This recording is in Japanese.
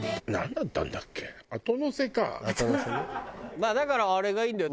まあだからあれがいいんだよ